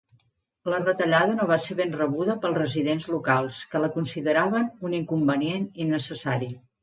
La retallada no va ser ben rebuda pels residents locals, que la consideraven un inconvenient innecessari.